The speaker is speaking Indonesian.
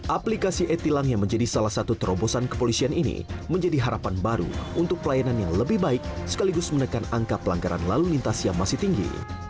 aplikasi e tilang yang menjadi salah satu terobosan kepolisian ini menjadi harapan baru untuk pelayanan yang lebih baik sekaligus menekan angka pelanggaran lalu lintas yang masih tinggi